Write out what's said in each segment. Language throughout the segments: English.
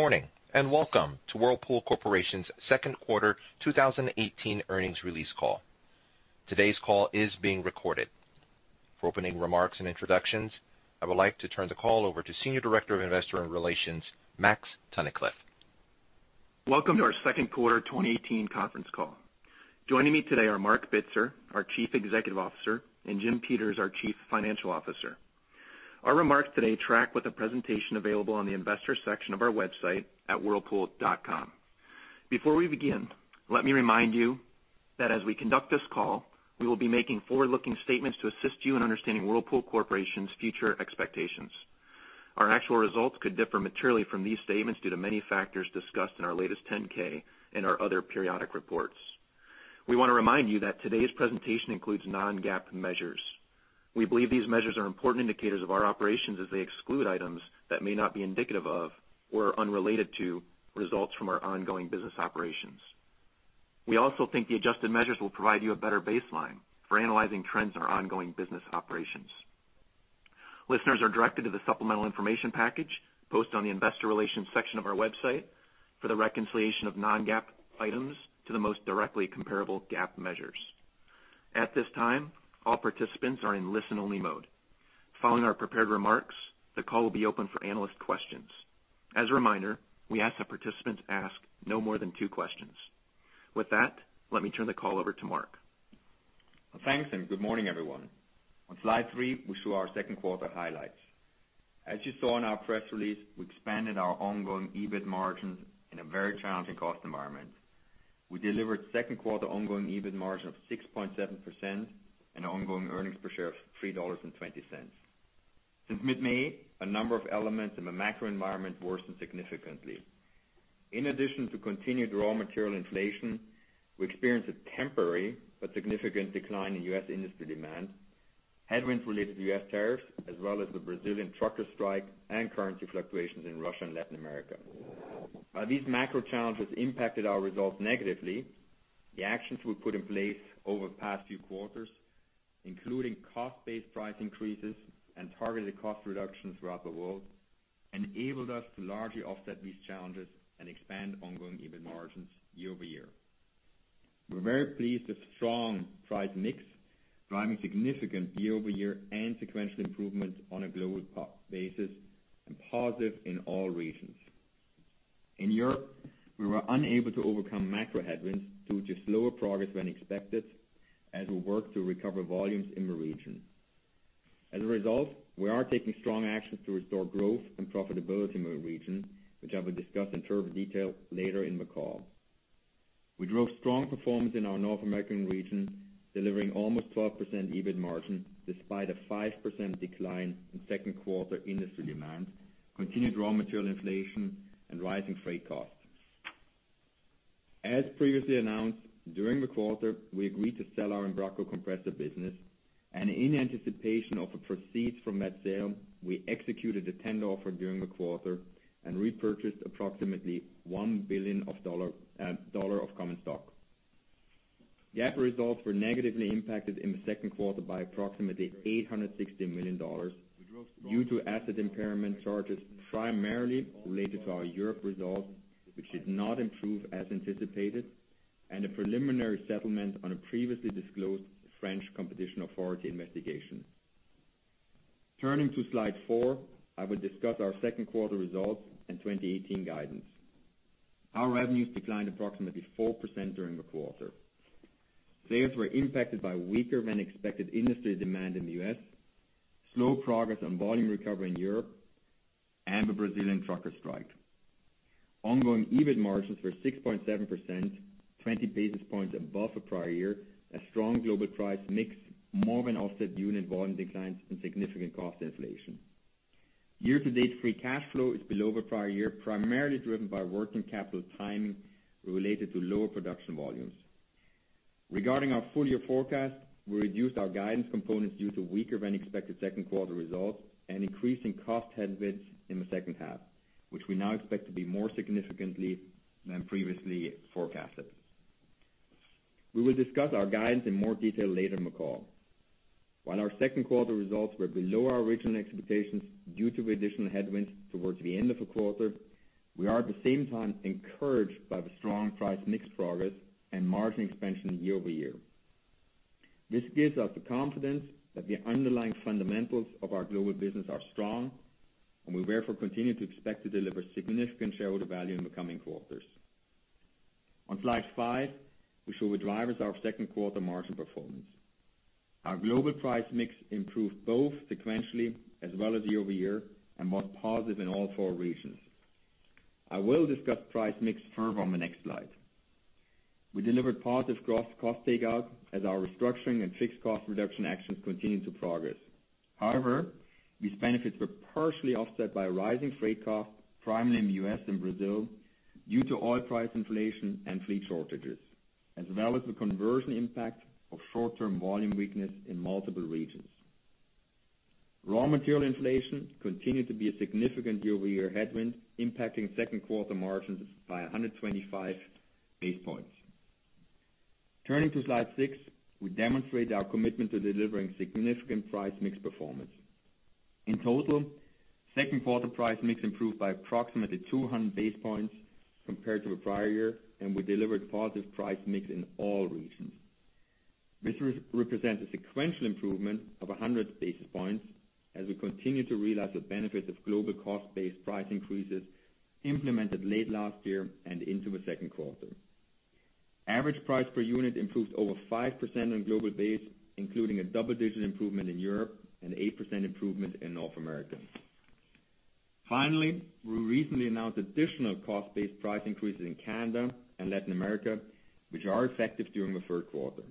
Good morning, welcome to Whirlpool Corporation's second quarter 2018 earnings release call. Today's call is being recorded. For opening remarks and introductions, I would like to turn the call over to Senior Director of Investor Relations, Max Tunnicliff. Welcome to our second quarter 2018 conference call. Joining me today are Marc Bitzer, our Chief Executive Officer, and Jim Peters, our Chief Financial Officer. Our remarks today track with a presentation available on the investor section of our website at whirlpool.com. Before we begin, let me remind you that as we conduct this call, we will be making forward-looking statements to assist you in understanding Whirlpool Corporation's future expectations. Our actual results could differ materially from these statements due to many factors discussed in our latest 10-K and our other periodic reports. We want to remind you that today's presentation includes non-GAAP measures. We believe these measures are important indicators of our operations as they exclude items that may not be indicative of or are unrelated to results from our ongoing business operations. We also think the adjusted measures will provide you a better baseline for analyzing trends in our ongoing business operations. Listeners are directed to the supplemental information package posted on the Investor Relations section of our website for the reconciliation of non-GAAP items to the most directly comparable GAAP measures. At this time, all participants are in listen-only mode. Following our prepared remarks, the call will be open for analyst questions. As a reminder, we ask that participants ask no more than two questions. With that, let me turn the call over to Marc. Well, thanks, good morning, everyone. On slide three, we show our second quarter highlights. As you saw in our press release, we expanded our ongoing EBIT margins in a very challenging cost environment. We delivered second quarter ongoing EBIT margin of 6.7% and ongoing earnings per share of $3.20. Since mid-May, a number of elements in the macro environment worsened significantly. In addition to continued raw material inflation, we experienced a temporary but significant decline in U.S. industry demand, headwinds related to U.S. tariffs, as well as the Brazilian trucker strike, and currency fluctuations in Russia and Latin America. While these macro challenges impacted our results negatively, the actions we put in place over the past few quarters, including cost-based price increases and targeted cost reductions throughout the world, enabled us to largely offset these challenges and expand ongoing EBIT margins year-over-year. We're very pleased with strong price mix, driving significant year-over-year and sequential improvements on a global basis and positive in all regions. In Europe, we were unable to overcome macro headwinds due to slower progress than expected as we work to recover volumes in the region. As a result, we are taking strong actions to restore growth and profitability in the region, which I will discuss in further detail later in the call. We drove strong performance in our North American region, delivering almost 12% EBIT margin despite a 5% decline in second quarter industry demand, continued raw material inflation, and rising freight costs. As previously announced, during the quarter, we agreed to sell our Embraco compressor business, and in anticipation of the proceeds from that sale, we executed a tender offer during the quarter and repurchased approximately $1 billion of common stock. GAAP results were negatively impacted in the second quarter by approximately $860 million due to asset impairment charges, primarily related to our Europe results, which did not improve as anticipated, and a preliminary settlement on a previously disclosed French Competition Authority investigation. Turning to slide four, I will discuss our second quarter results and 2018 guidance. Our revenues declined approximately 4% during the quarter. Sales were impacted by weaker than expected industry demand in the U.S., slow progress on volume recovery in Europe, and the Brazilian trucker strike. Ongoing EBIT margins were 6.7%, 20 basis points above the prior year, as strong global price mix more than offset unit volume declines and significant cost inflation. Year-to-date, free cash flow is below the prior year, primarily driven by working capital timing related to lower production volumes. Regarding our full year forecast, we reduced our guidance components due to weaker than expected second quarter results and increasing cost headwinds in the second half, which we now expect to be more significantly than previously forecasted. We will discuss our guidance in more detail later in the call. While our second quarter results were below our original expectations due to the additional headwinds towards the end of the quarter, we are at the same time encouraged by the strong price mix progress and margin expansion year-over-year. This gives us the confidence that the underlying fundamentals of our global business are strong, and we therefore continue to expect to deliver significant shareholder value in the coming quarters. On slide five, we show the drivers of our second quarter margin performance. Our global price mix improved both sequentially as well as year-over-year and were positive in all four regions. I will discuss price mix further on the next slide. We delivered positive gross cost takeout as our restructuring and fixed cost reduction actions continued to progress. However, these benefits were partially offset by rising freight costs, primarily in the U.S. and Brazil, due to oil price inflation and fleet shortages, as well as the conversion impact of short-term volume weakness in multiple regions. Raw material inflation continued to be a significant year-over-year headwind, impacting second quarter margins by 125 basis points. Turning to slide six, we demonstrate our commitment to delivering significant price mix performance. In total, second quarter price mix improved by approximately 200 basis points compared to the prior year, and we delivered positive price mix in all regions. This represents a sequential improvement of 100 basis points as we continue to realize the benefits of global cost-based price increases implemented late last year and into the second quarter. Average price per unit improved over 5% on a global base, including a double-digit improvement in Europe and 8% improvement in North America. Finally, we recently announced additional cost-based price increases in Canada and Latin America, which are effective during the third quarter.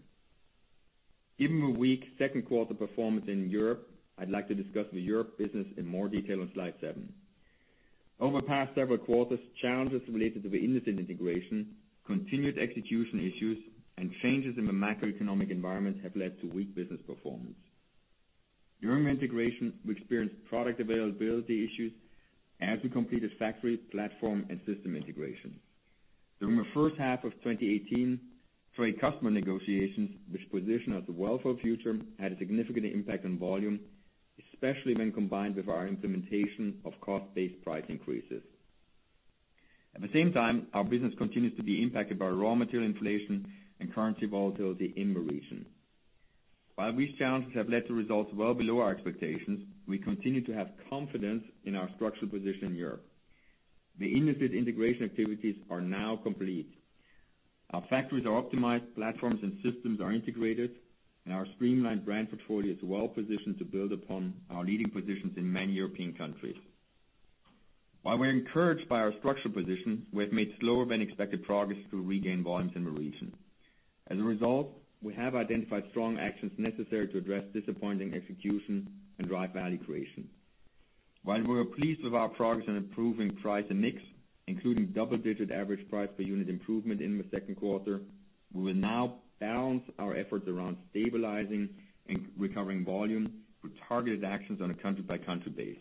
Given the weak second quarter performance in Europe, I'd like to discuss the Europe business in more detail on slide seven. Over the past several quarters, challenges related to the Indesit integration, continued execution issues, and changes in the macroeconomic environment have led to weak business performance. During integration, we experienced product availability issues as we completed factory, platform, and system integration. During the first half of 2018, trade customer negotiations, which positioned us well for the future, had a significant impact on volume, especially when combined with our implementation of cost-based price increases. At the same time, our business continues to be impacted by raw material inflation and currency volatility in the region. While these challenges have led to results well below our expectations, we continue to have confidence in our structural position in Europe. The Indesit integration activities are now complete. Our factories are optimized, platforms and systems are integrated, and our streamlined brand portfolio is well-positioned to build upon our leading positions in many European countries. While we're encouraged by our structural position, we have made slower than expected progress to regain volumes in the region. As a result, we have identified strong actions necessary to address disappointing execution and drive value creation. While we are pleased with our progress on improving price and mix, including double-digit average price per unit improvement in the second quarter, we will now balance our efforts around stabilizing and recovering volume through targeted actions on a country-by-country base.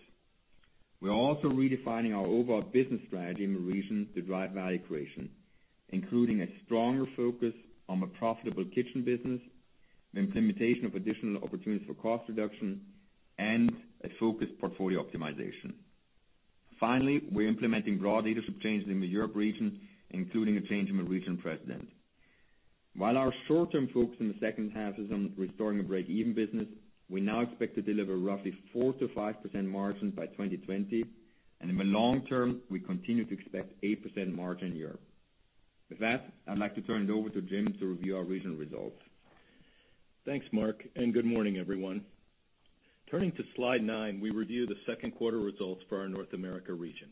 We are also redefining our overall business strategy in the region to drive value creation, including a stronger focus on the profitable kitchen business, the implementation of additional opportunities for cost reduction, and a focused portfolio optimization. Finally, we're implementing broad leadership changes in the Europe region, including a change in the region president. While our short-term focus in the second half is on restoring a break-even business, we now expect to deliver roughly 4%-5% margins by 2020, and in the long term, we continue to expect 8% margin in Europe. With that, I'd like to turn it over to Jim to review our regional results. Thanks, Marc, and good morning, everyone. Turning to slide nine, we review the second quarter results for our North America region.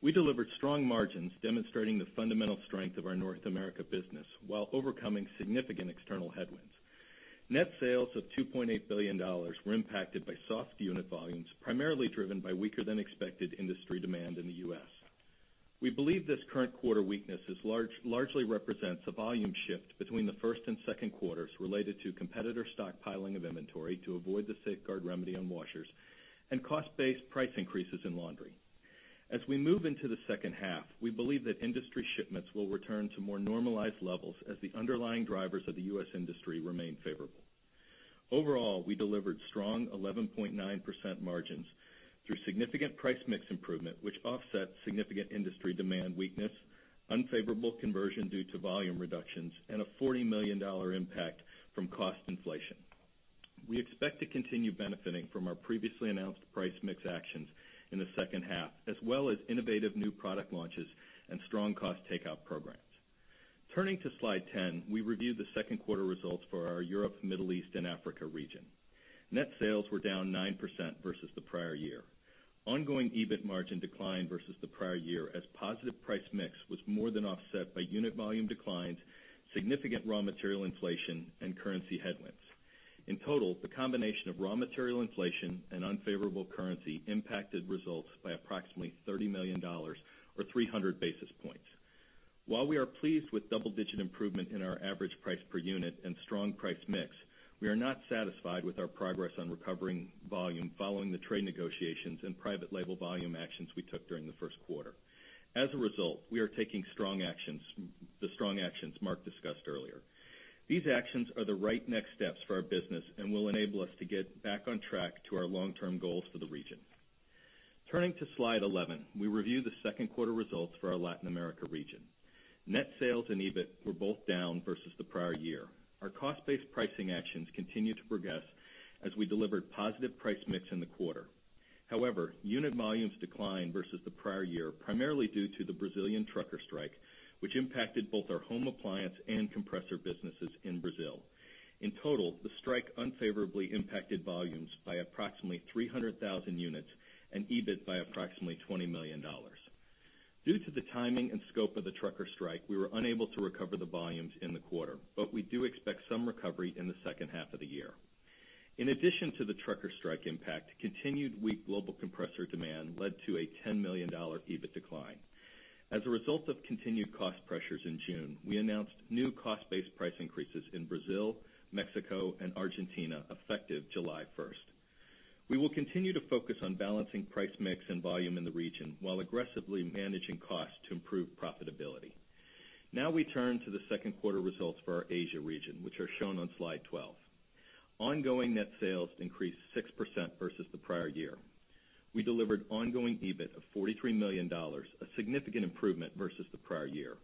We delivered strong margins demonstrating the fundamental strength of our North America business while overcoming significant external headwinds. Net sales of $2.8 billion were impacted by soft unit volumes, primarily driven by weaker than expected industry demand in the U.S. We believe this current quarter weakness largely represents a volume shift between the first and second quarters related to competitor stockpiling of inventory to avoid the safeguard remedy on washers and cost-based price increases in laundry. As we move into the second half, we believe that industry shipments will return to more normalized levels as the underlying drivers of the U.S. industry remain favorable. Overall, we delivered strong 11.9% margins through significant price mix improvement, which offset significant industry demand weakness, unfavorable conversion due to volume reductions, and a $40 million impact from cost inflation. We expect to continue benefiting from our previously announced price mix actions in the second half, as well as innovative new product launches and strong cost takeout programs. Turning to slide 10, we review the second quarter results for our Europe, Middle East, and Africa region. Net sales were down 9% versus the prior year. Ongoing EBIT margin declined versus the prior year as positive price mix was more than offset by unit volume declines, significant raw material inflation, and currency headwinds. In total, the combination of raw material inflation and unfavorable currency impacted results by approximately $30 million or 300 basis points. While we are pleased with double-digit improvement in our average price per unit and strong price mix, we are not satisfied with our progress on recovering volume following the trade negotiations and private label volume actions we took during the first quarter. As a result, we are taking the strong actions Marc discussed earlier. These actions are the right next steps for our business and will enable us to get back on track to our long-term goals for the region. Turning to slide 11, we review the second quarter results for our Latin America region. Net sales and EBIT were both down versus the prior year. Our cost-based pricing actions continue to progress as we delivered positive price mix in the quarter. However, unit volumes declined versus the prior year, primarily due to the Brazilian trucker strike, which impacted both our home appliance and compressor businesses in Brazil. In total, the strike unfavorably impacted volumes by approximately 300,000 units and EBIT by approximately $20 million. Due to the timing and scope of the trucker strike, we were unable to recover the volumes in the quarter, but we do expect some recovery in the second half of the year. In addition to the trucker strike impact, continued weak global compressor demand led to a $10 million EBIT decline. As a result of continued cost pressures in June, we announced new cost-based price increases in Brazil, Mexico, and Argentina effective July 1st. We will continue to focus on balancing price mix and volume in the region while aggressively managing costs to improve profitability. Now we turn to the second quarter results for our Asia region, which are shown on slide 12. Ongoing net sales increased 6% versus the prior year. We delivered ongoing EBIT of $43 million, a significant improvement versus the prior year.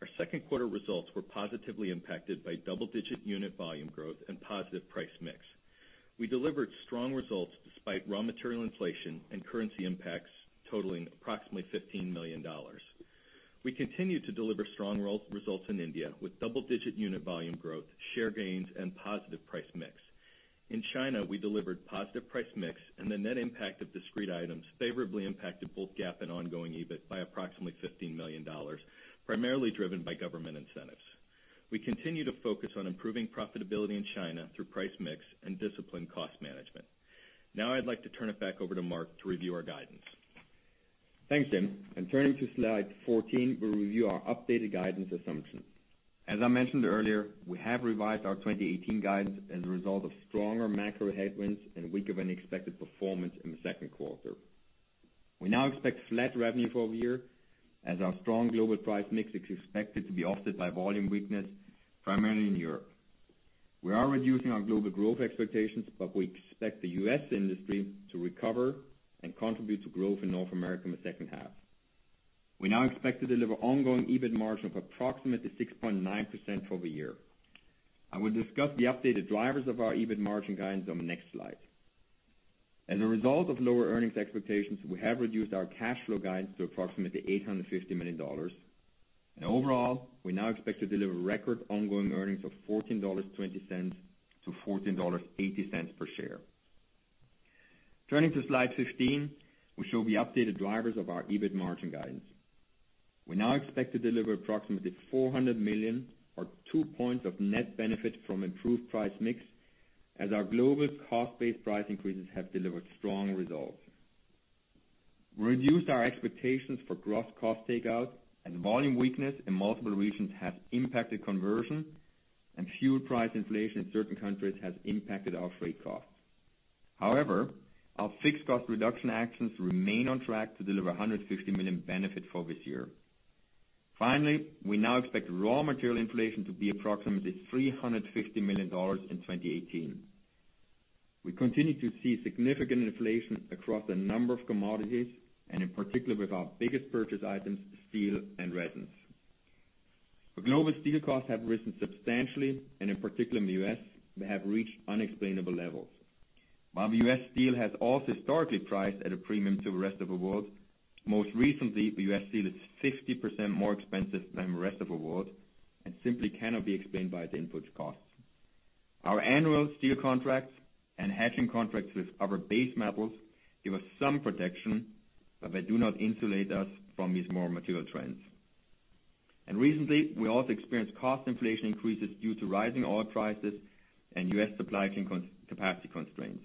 Our second quarter results were positively impacted by double-digit unit volume growth and positive price mix. We delivered strong results despite raw material inflation and currency impacts totaling approximately $15 million. We continue to deliver strong results in India with double-digit unit volume growth, share gains, and positive price mix. In China, we delivered positive price mix and the net impact of discrete items favorably impacted both GAAP and ongoing EBIT by approximately $15 million, primarily driven by government incentives. We continue to focus on improving profitability in China through price mix and disciplined cost management. Now I'd like to turn it back over to Marc to review our guidance. Thanks, Jim. Turning to slide 14, we will review our updated guidance assumptions. As I mentioned earlier, we have revised our 2018 guidance as a result of stronger macro headwinds and weaker-than-expected performance in the second quarter. We now expect flat revenue for the year as our strong global price mix is expected to be offset by volume weakness, primarily in Europe. We are reducing our global growth expectations, but we expect the U.S. industry to recover and contribute to growth in North America in the second half. We now expect to deliver ongoing EBIT margin of approximately 6.9% for the year. I will discuss the updated drivers of our EBIT margin guidance on the next slide. As a result of lower earnings expectations, we have reduced our cash flow guidance to approximately $850 million. Overall, we now expect to deliver record ongoing earnings of $14.20-$14.80 per share. Turning to slide 15, we show the updated drivers of our EBIT margin guidance. We now expect to deliver approximately $400 million or two points of net benefit from improved price mix as our global cost-based price increases have delivered strong results. We reduced our expectations for gross cost takeout and volume weakness in multiple regions has impacted conversion, and fuel price inflation in certain countries has impacted our freight costs. However, our fixed cost reduction actions remain on track to deliver $150 million benefit for this year. Finally, we now expect raw material inflation to be approximately $350 million in 2018. We continue to see significant inflation across a number of commodities, and in particular with our biggest purchase items, steel and resins. The global steel costs have risen substantially, in particular in the U.S., they have reached unexplainable levels. While the U.S. steel has also historically priced at a premium to the rest of the world, most recently, the U.S. steel is 50% more expensive than the rest of the world and simply cannot be explained by the input costs. Our annual steel contracts and hedging contracts with other base metals give us some protection, but they do not insulate us from these raw material trends. Recently, we also experienced cost inflation increases due to rising oil prices and U.S. supply capacity constraints.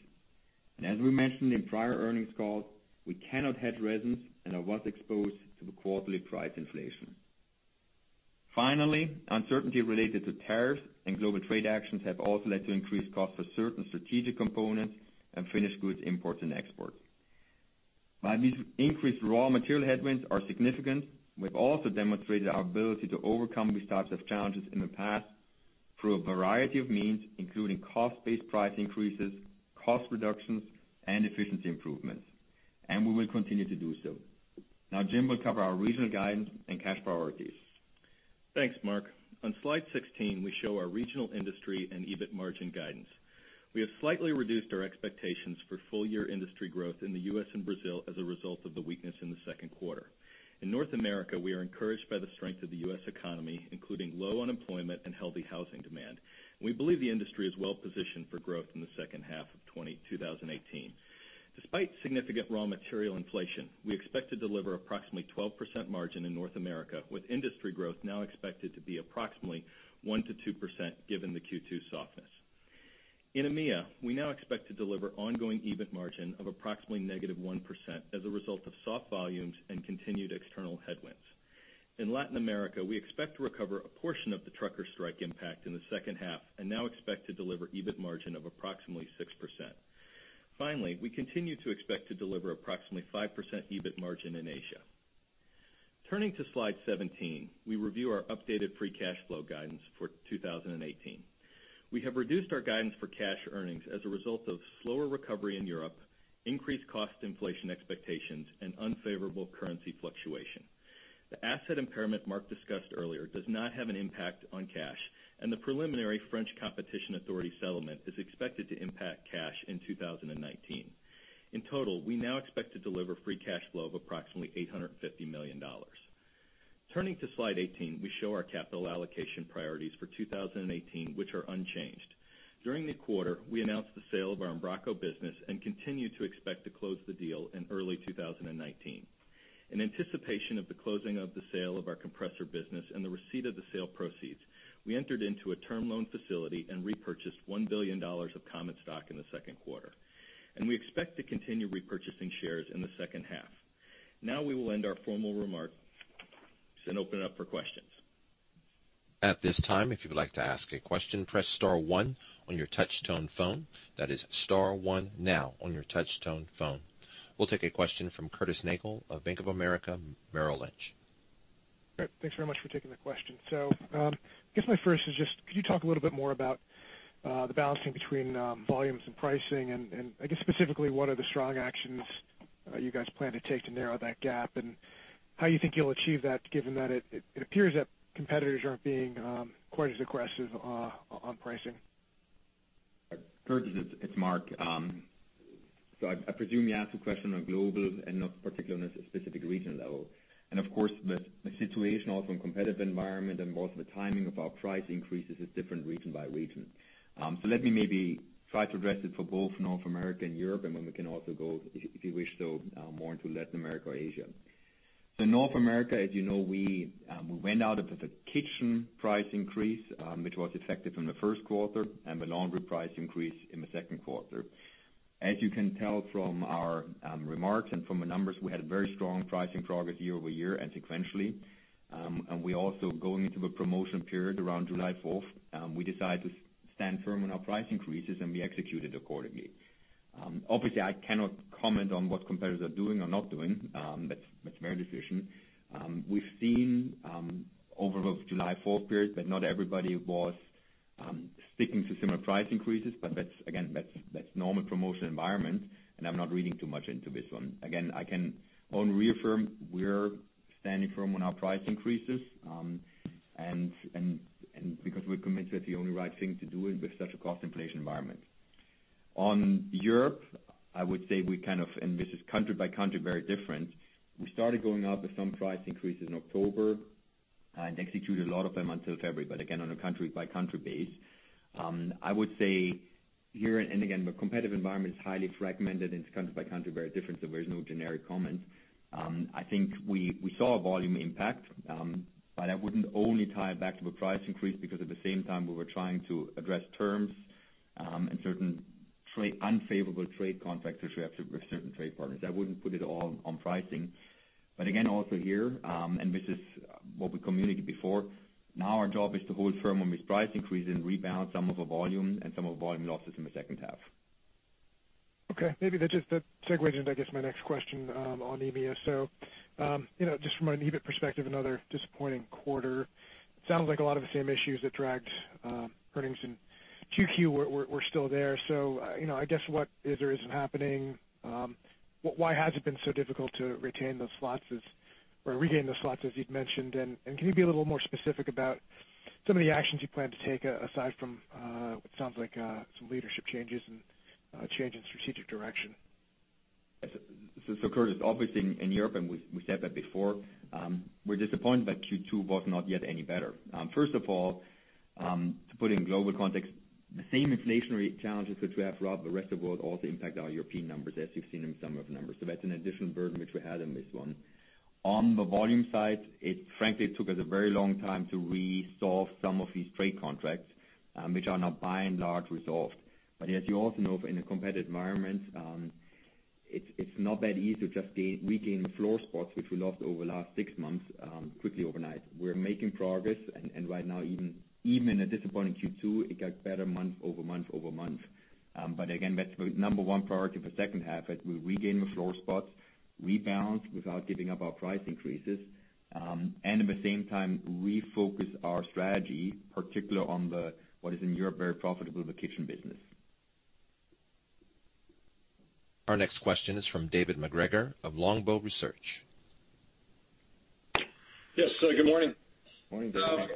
As we mentioned in prior earnings calls, we cannot hedge resins and are thus exposed to the quarterly price inflation. Finally, uncertainty related to tariffs and global trade actions have also led to increased cost for certain strategic components and finished goods imports and exports. While these increased raw material headwinds are significant, we have also demonstrated our ability to overcome these types of challenges in the past through a variety of means, including cost-based price increases, cost reductions, and efficiency improvements. We will continue to do so. Now Jim will cover our regional guidance and cash priorities. Thanks, Marc. On slide 16, we show our regional industry and EBIT margin guidance. We have slightly reduced our expectations for full-year industry growth in the U.S. and Brazil as a result of the weakness in the second quarter. In North America, we are encouraged by the strength of the U.S. economy, including low unemployment and healthy housing demand. We believe the industry is well positioned for growth in the second half of 2018. Despite significant raw material inflation, we expect to deliver approximately 12% margin in North America, with industry growth now expected to be approximately 1%-2% given the Q2 softness. In EMEA, we now expect to deliver ongoing EBIT margin of approximately negative 1% as a result of soft volumes and continued external headwinds. In Latin America, we expect to recover a portion of the trucker strike impact in the second half and now expect to deliver EBIT margin of approximately 6%. Finally, we continue to expect to deliver approximately 5% EBIT margin in Asia. Turning to slide 17, we review our updated free cash flow guidance for 2018. We have reduced our guidance for cash earnings as a result of slower recovery in Europe, increased cost inflation expectations, and unfavorable currency fluctuation. The asset impairment Marc discussed earlier does not have an impact on cash, and the preliminary French Competition Authority settlement is expected to impact cash in 2019. In total, we now expect to deliver free cash flow of approximately $850 million. Turning to slide 18, we show our capital allocation priorities for 2018, which are unchanged. During the quarter, we announced the sale of our Embraco business and continue to expect to close the deal in early 2019. In anticipation of the closing of the sale of our compressor business and the receipt of the sale proceeds, we entered into a term loan facility and repurchased $1 billion of common stock in the second quarter. We expect to continue repurchasing shares in the second half. Now we will end our formal remarks and open it up for questions. At this time, if you would like to ask a question, press star one on your touch-tone phone. That is star one now on your touch-tone phone. We'll take a question from Curtis Nagle of Bank of America Merrill Lynch. Great. Thanks very much for taking the question. I guess my first is just, could you talk a little bit more about the balancing between volumes and pricing and, I guess specifically, what are the strong actions you guys plan to take to narrow that gap? How you think you'll achieve that, given that it appears that competitors aren't being quite as aggressive on pricing. Curtis, it's Marc. I presume you ask the question on global and not particular on a specific region level. Of course, the situation also in competitive environment and also the timing of our price increases is different region by region. Let me maybe try to address it for both North America and Europe, then we can also go, if you wish, though, more into Latin America or Asia. North America, as you know, we went out with the kitchen price increase, which was effective in the first quarter, and the laundry price increase in the second quarter. As you can tell from our remarks and from the numbers, we had a very strong pricing progress year-over-year and sequentially. We also, going into the promotion period around July 4th, we decided to stand firm on our price increases, and we executed accordingly. Obviously, I cannot comment on what competitors are doing or not doing. That's their decision. We've seen, over the July 4th period, that not everybody was sticking to similar price increases, but that's, again, that's normal promotion environment, and I'm not reading too much into this one. Again, I can only reaffirm we're standing firm on our price increases, and because we're committed to it, the only right thing to do with such a cost inflation environment. On Europe, I would say we kind of, and this is country by country, very different. We started going out with some price increases in October and executed a lot of them until February, but again, on a country-by-country basis. I would say here, and again, the competitive environment is highly fragmented, and it's country by country, very different, so there is no generic comment. I think we saw a volume impact, but I wouldn't only tie it back to the price increase because at the same time, we were trying to address terms, and certain unfavorable trade contracts which we have with certain trade partners. I wouldn't put it all on pricing. Again, also here, and this is what we communicated before, now our job is to hold firm on this price increase and rebalance some of the volume and some of volume losses in the second half. Okay, maybe that segues into, I guess, my next question on EMEA. Just from an EBIT perspective, another disappointing quarter. Sounds like a lot of the same issues that dragged earnings in Q2 were still there. I guess what is or isn't happening? Why has it been so difficult to retain those slots as, or regain those slots, as you'd mentioned? Can you be a little more specific about some of the actions you plan to take, aside from what sounds like some leadership changes and change in strategic direction? Curtis, obviously in Europe, and we said that before, we're disappointed that Q2 was not yet any better. First of all, to put it in global context, the same inflationary challenges which we have throughout the rest of world also impact our European numbers, as you've seen in some of the numbers. That's an additional burden which we had in this one. On the volume side, it frankly took us a very long time to resolve some of these trade contracts, which are now by and large resolved. As you also know, in a competitive environment, it's not that easy to just regain the floor spots which we lost over the last six months, quickly overnight. We're making progress, right now, even in a disappointing Q2, it got better month over month over month. Again, that's the number one priority for the second half, that we regain the floor spots, rebalance without giving up our price increases. At the same time, refocus our strategy, particular on the, what is in Europe, very profitable, the kitchen business. Our next question is from David MacGregor of Longbow Research. Yes, good morning. Morning, David. I'll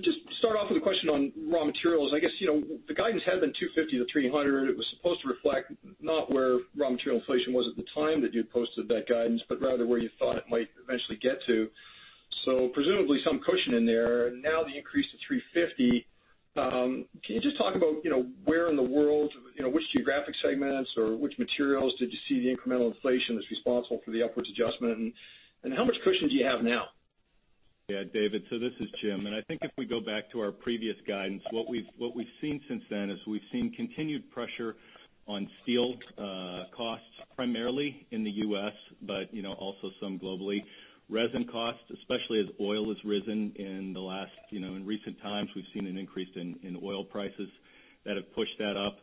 just start off with a question on raw materials. I guess, the guidance had been $250-$300. It was supposed to reflect not where raw material inflation was at the time that you posted that guidance, but rather where you thought it might eventually get to. Presumably, some cushion in there. Now the increase to $350. Can you just talk about where in the world, which geographic segments or which materials did you see the incremental inflation that's responsible for the upwards adjustment, and how much cushion do you have now? David, this is Jim. I think if we go back to our previous guidance, what we've seen since then is we've seen continued pressure on steel costs, primarily in the U.S., but also some globally. Resin costs, especially as oil has risen in recent times, we've seen an increase in oil prices that have pushed that up.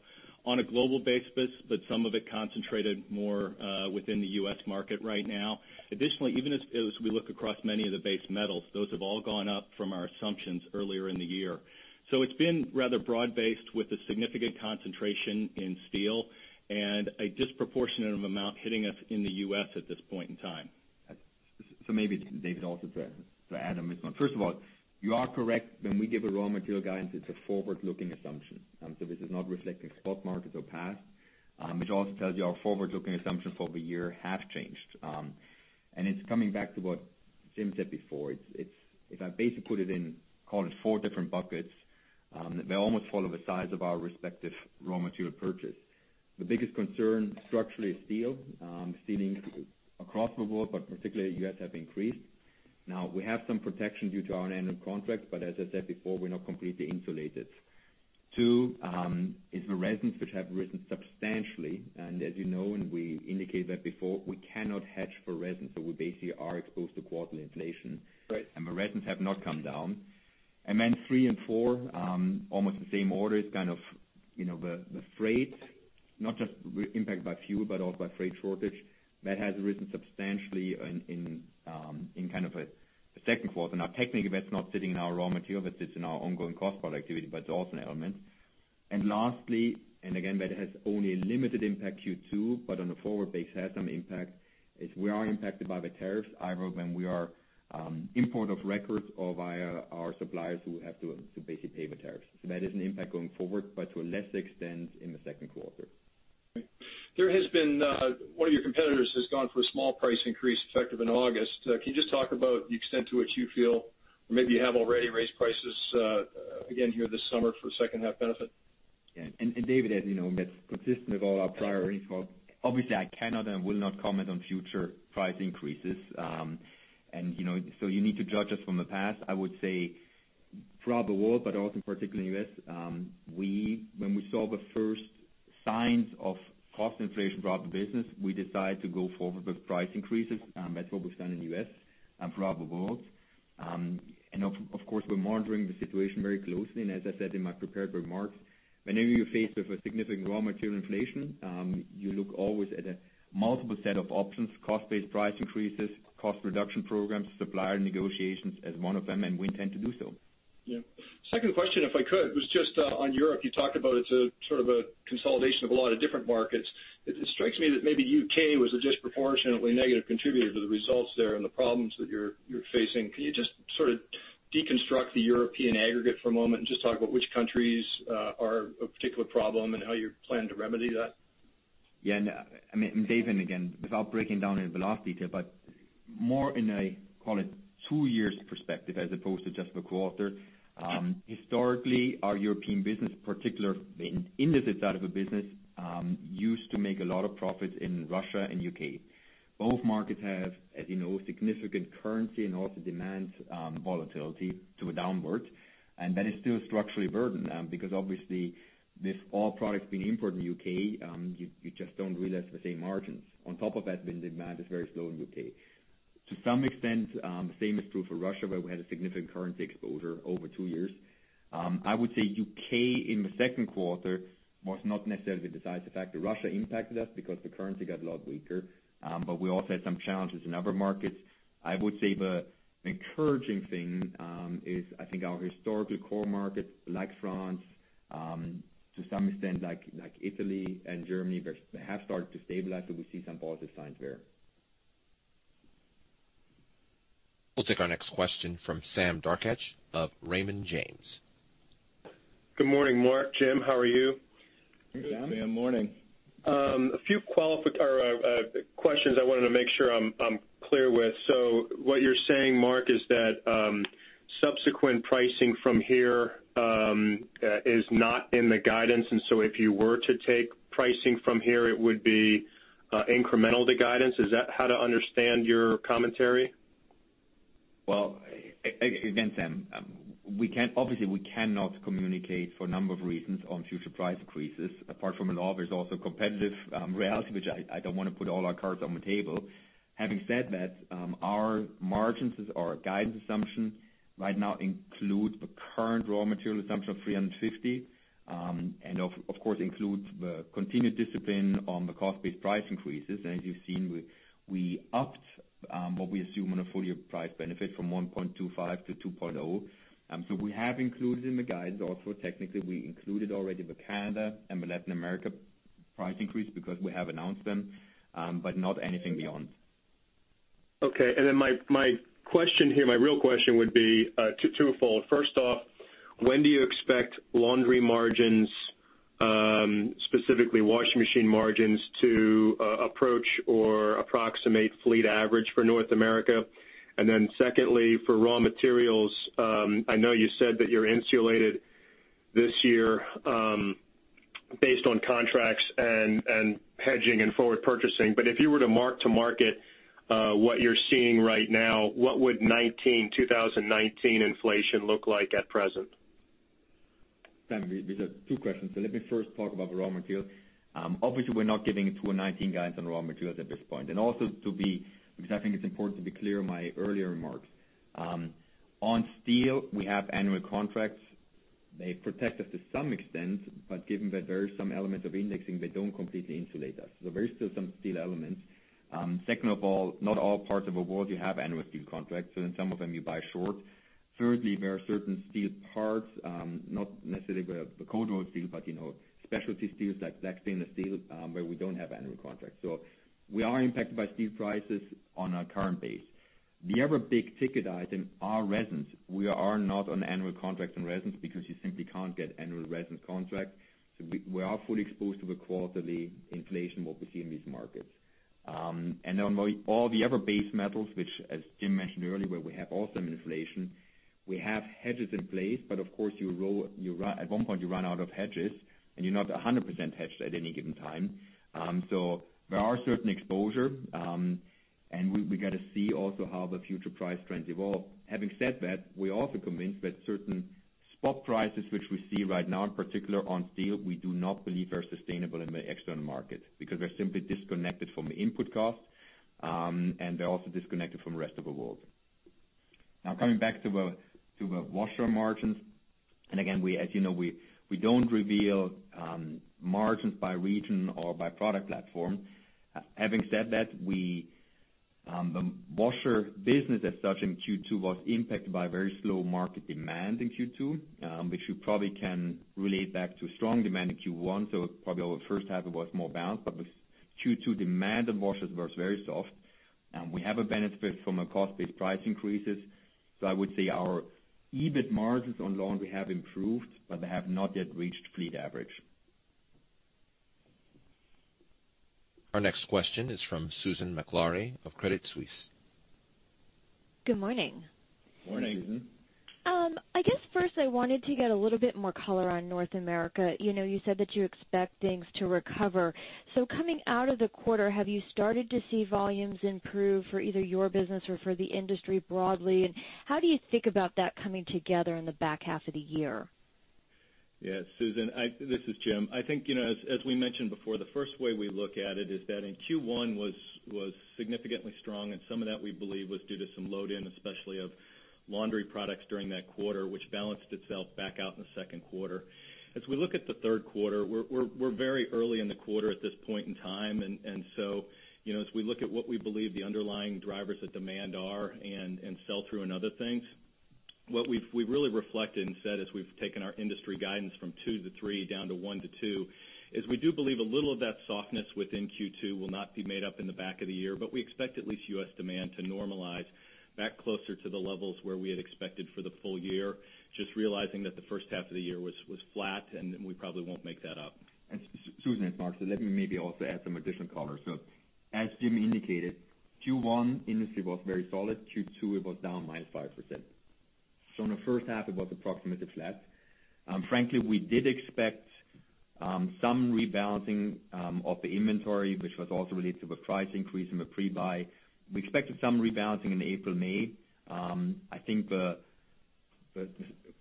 On a global basis. Some of it concentrated more within the U.S. market right now. Additionally, even as we look across many of the base metals, those have all gone up from our assumptions earlier in the year. It's been rather broad-based with a significant concentration in steel and a disproportionate amount hitting us in the U.S. at this point in time. Maybe, David, also to add to this one. First of all, you are correct. When we give a raw material guidance, it's a forward-looking assumption. This is not reflecting spot markets or past, which also tells you our forward-looking assumptions for the year have changed. It's coming back to what Jim said before. If I basically put it in, call it 4 different buckets, they almost follow the size of our respective raw material purchase. The biggest concern structurally is steel. [Steel indices] across the board, but particularly U.S., have increased. We have some protection due to our annual contracts, but as I said before, we're not completely insulated. 2, is the resins, which have risen substantially. As you know, and we indicated that before, we cannot hedge for resin. We basically are exposed to quarterly inflation. Right. The resins have not come down. Then 3 and 4, almost the same order. It's the freight, not just impacted by fuel, but also by freight shortage. That has risen substantially in the second quarter. Technically, that's not sitting in our raw material, but sits in our ongoing cost productivity, but it's also an element. Lastly, and again, that has only a limited impact Q2, but on a forward base it has some impact, is we are impacted by the tariffs either when we are importers of record or via our suppliers who have to basically pay the tariffs. That is an impact going forward, but to a lesser extent in the second quarter. There has been one of your competitors has gone through a small price increase effective in August. Can you just talk about the extent to which you feel, or maybe you have already raised prices again here this summer for second half benefit? Yeah. David, as you know, that's consistent with all our prior info. Obviously, I cannot and will not comment on future price increases. You need to judge us from the past. I would say throughout the world, but also in particular in the U.S., when we saw the first signs of cost inflation throughout the business, we decided to go forward with price increases. That's what we've done in the U.S. and throughout the world. Of course, we're monitoring the situation very closely, and as I said in my prepared remarks, whenever you're faced with a significant raw material inflation, you look always at a multiple set of options, cost-based price increases, cost reduction programs, supplier negotiations as one of them, and we intend to do so. Yeah. Second question, if I could, was just on Europe. You talked about it's a sort of a consolidation of a lot of different markets. It strikes me that maybe U.K. was a disproportionately negative contributor to the results there and the problems that you're facing. Can you just sort of deconstruct the European aggregate for a moment and just talk about which countries are a particular problem and how you plan to remedy that? Yeah. I mean, David, again, without breaking down in velocity, but more in a, call it 2 years perspective as opposed to just the quarter. Historically, our European business, particularly in this side of a business, used to make a lot of profit in Russia and U.K. Both markets have, as you know, significant currency and also demand volatility to a downward, that is still structurally a burden, because obviously with all products being imported in U.K., you just don't realize the same margins. On top of that, the demand is very slow in U.K. To some extent, the same is true for Russia, where we had a significant currency exposure over 2 years. I would say U.K. in the second quarter was not necessarily the decisive factor. Russia impacted us because the currency got a lot weaker, but we also had some challenges in other markets. I would say the encouraging thing, is I think our historical core markets like France, to some extent like Italy and Germany, they have started to stabilize, we see some positive signs there. We'll take our next question from Sam Darkatsh of Raymond James. Good morning, Marc, Jim, how are you? Good, Sam. Sam, morning. A few questions I wanted to make sure I'm clear with. What you're saying, Marc, is that subsequent pricing from here is not in the guidance, if you were to take pricing from here, it would be incremental to guidance. Is that how to understand your commentary? Well, again, Sam, obviously, we cannot communicate for a number of reasons on future price increases. Apart from the law, there's also competitive reality, which I don't want to put all our cards on the table. Having said that, our margins as our guidance assumption right now include the current raw material assumption of $350, and of course, includes the continued discipline on the cost-based price increases. As you've seen, we upped what we assume on a full year price benefit from 1.25% to 2.0%. We have included in the guidance also, technically, we included already the Canada and the Latin America price increase because we have announced them, but not anything beyond. Okay. My question here, my real question would be two-fold. First off, when do you expect laundry margins, specifically washing machine margins, to approach or approximate fleet average for North America? Secondly, for raw materials, I know you said that you're insulated this year, based on contracts and hedging and forward purchasing, but if you were to mark-to-market what you're seeing right now, what would 2019 inflation look like at present? Sam, these are two questions, so let me first talk about the raw material. Obviously, we're not giving 2019 guidance on raw materials at this point. Because I think it's important to be clear on my earlier remarks. On steel, we have annual contracts. They protect us to some extent, but given that there is some element of indexing, they don't completely insulate us. There is still some steel elements. Second of all, not all parts of the world you have annual steel contracts, so then some of them you buy short. Thirdly, there are certain steel parts, not necessarily the cold rolled steel, but specialty steels like stainless steel, where we don't have annual contracts. We are impacted by steel prices on a current base. The other big ticket item are resins. We are not on annual contracts and resins because you simply can't get annual resin contracts. We are fully exposed to the quarterly inflation, what we see in these markets. On all the other base metals, which as Jim mentioned earlier, where we have also an inflation, we have hedges in place. Of course, at one point, you run out of hedges and you're not 100% hedged at any given time. There are certain exposure, and we got to see also how the future price trends evolve. Having said that, we're also convinced that certain Spot prices, which we see right now, in particular on steel, we do not believe are sustainable in the external market because they're simply disconnected from the input cost, and they're also disconnected from the rest of the world. Coming back to the washer margins, again, as you know, we don't reveal margins by region or by product platform. Having said that, the washer business as such in Q2 was impacted by very slow market demand in Q2, which you probably can relate back to strong demand in Q1. Probably our first half was more balanced, with Q2 demand on washers was very soft. We have a benefit from a cost-based price increases. I would say our EBIT margins on laundry have improved, but they have not yet reached fleet average. Our next question is from Susan Maklari of Credit Suisse. Good morning. Morning. Morning, Susan. I guess first I wanted to get a little bit more color on North America. You said that you expect things to recover. Coming out of the quarter, have you started to see volumes improve for either your business or for the industry broadly? How do you think about that coming together in the back half of the year? Yes, Susan, this is Jim. I think, as we mentioned before, the first way we look at it is that in Q1 was significantly strong, and some of that, we believe, was due to some load in, especially of laundry products during that quarter, which balanced itself back out in the second quarter. As we look at the third quarter, we're very early in the quarter at this point in time. As we look at what we believe the underlying drivers of demand are and sell through and other things, what we've really reflected and said is we've taken our industry guidance from 2%-3%, down to 1%-2%, is we do believe a little of that softness within Q2 will not be made up in the back of the year. We expect at least U.S. demand to normalize back closer to the levels where we had expected for the full year, just realizing that the first half of the year was flat, and we probably won't make that up. Susan, it's Marc. Let me maybe also add some additional color. As Jim indicated, Q1 industry was very solid. Q2, it was down -5%. In the first half, it was approximately flat. Frankly, we did expect some rebalancing of the inventory, which was also related to a price increase in the pre-buy. We expected some rebalancing in April, May. I think the,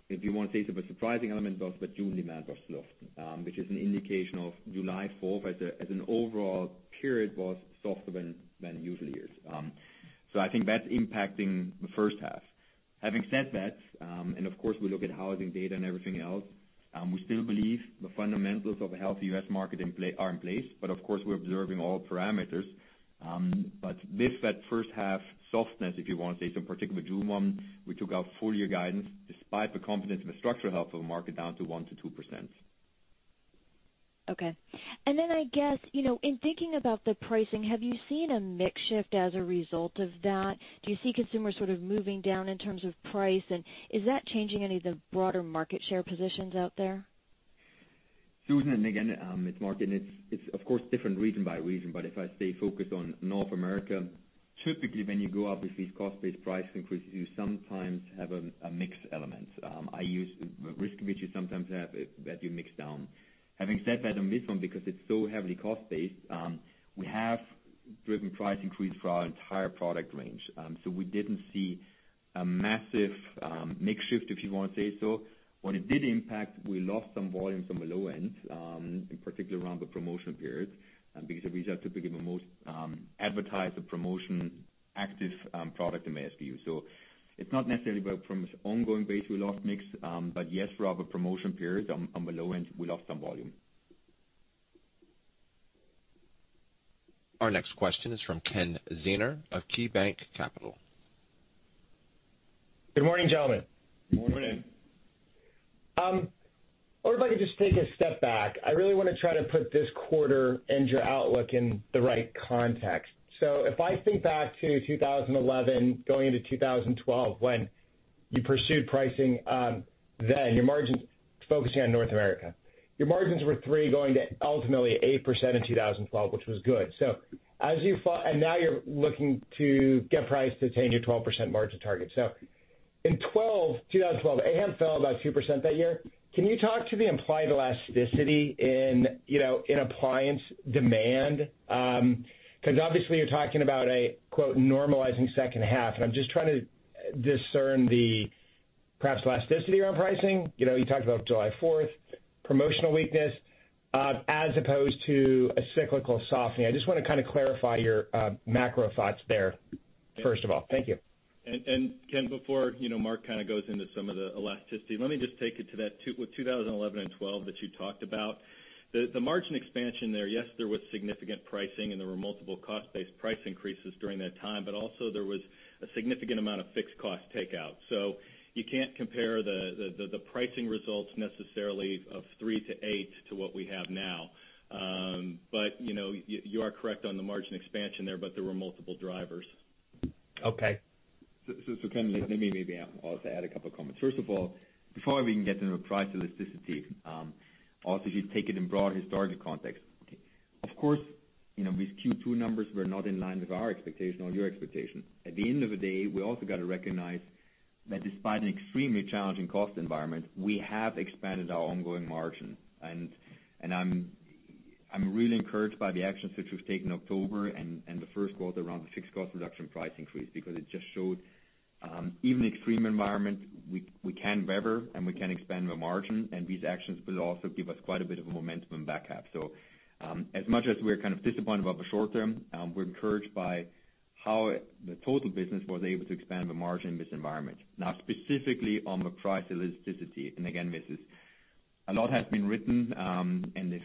if you want to say, the surprising element was the June demand was slow, which is an indication of July 4th as an overall period was softer than usual years. I think that's impacting the first half. Having said that, of course, we look at housing data and everything else. We still believe the fundamentals of a healthy U.S. market are in place, of course, we're observing all parameters. With that first half softness, if you want to say, in particular June 1, we took our full-year guidance, despite the confidence in the structural health of the market, down to 1%-2%. In thinking about the pricing, have you seen a mix shift as a result of that? Do you see consumers sort of moving down in terms of price? Is that changing any of the broader market share positions out there? Susan, it's Marc, it's of course different region by region. If I stay focused on North America, typically, when you go up with these cost-based price increases, you sometimes have a mix element. I use risk, which you sometimes have that you mix down. Having said that, on this one, because it's so heavily cost-based, we have driven price increase for our entire product range. We didn't see a massive mix shift, if you want to say so. What it did impact, we lost some volume from the low end, in particular around the promotion periods, because these are typically the most advertised promotion active product in mass retail. It's not necessarily from an ongoing base, we lost mix. Yes, for our promotion periods on the low end, we lost some volume. Our next question is from Ken Zener of KeyBanc Capital Markets. Good morning, gentlemen. Good morning. I wonder if I could just take a step back. I really want to try to put this quarter and your outlook in the right context. If I think back to 2011, going into 2012, when you pursued pricing then, your margins, focusing on North America, your margins were 3% going to ultimately 8% in 2012, which was good. Now you're looking to get price to attain your 12% margin target. In 2012, AM fell about 2% that year. Can you talk to the implied elasticity in appliance demand? Obviously you're talking about a, quote, "normalizing second half." I'm just trying to discern the perhaps elasticity around pricing. You talked about July 4th, promotional weakness, as opposed to a cyclical softening. I just want to kind of clarify your macro thoughts there, first of all. Thank you. Ken, before Marc kind of goes into some of the elasticity, let me just take it to that with 2011 and 2012 that you talked about. The margin expansion there, yes, there was significant pricing, and there were multiple cost-based price increases during that time, but also there was a significant amount of fixed cost takeout. You can't compare the pricing results necessarily of 3% to 8% to what we have now. You are correct on the margin expansion there, but there were multiple drivers. Okay. Ken, let me maybe also add a couple of comments. First of all, before we can get into the price elasticity, also, if you take it in broad historical context, of course, these Q2 numbers were not in line with our expectation or your expectation. At the end of the day, we also got to recognize that despite an extremely challenging cost environment, we have expanded our ongoing margin. I'm really encouraged by the actions which we've taken October and the first quarter around the fixed cost reduction price increase, because it just showed, even extreme environment, we can lever and we can expand the margin, and these actions will also give us quite a bit of momentum and backup. As much as we're kind of disappointed about the short term, we're encouraged by how the total business was able to expand the margin in this environment. Specifically on the price elasticity, again, a lot has been written, and